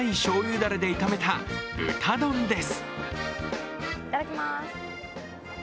だれで炒めた豚丼です。